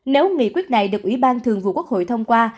nếu nghị quyết này được ủy ban thường vụ quốc hội thông qua